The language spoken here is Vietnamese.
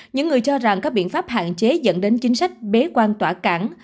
những người cho rằng các biện pháp hạn chế dẫn đến chính sách bế quan tỏa cảng